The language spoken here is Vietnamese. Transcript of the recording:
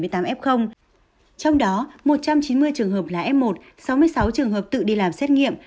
trong đó một trăm chín mươi trường hợp là f một sáu mươi sáu trường hợp tự đi làm xét nghiệm